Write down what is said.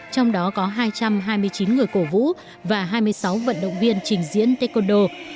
trong đó có hai trăm hai mươi chín người cổ vũ và hai mươi sáu vận động viên trình diễn taekwondo